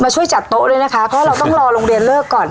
ช่วยจัดโต๊ะด้วยนะคะเพราะเราต้องรอโรงเรียนเลิกก่อน